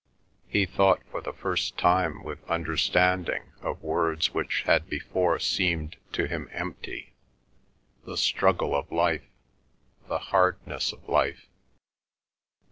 He thought for the first time with understanding of words which had before seemed to him empty: the struggle of life; the hardness of life.